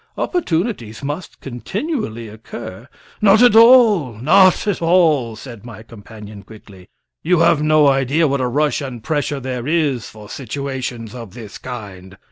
"Opportunities must continually occur." "Not at all! not at all!" said my companion quickly. "You have no idea what a rush and pressure there is for situations of this kind.